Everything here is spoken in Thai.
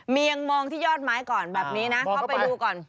เมียงมองที่ยอดไม้ก่อนแบบนี้นะเข้าไปดูก่อน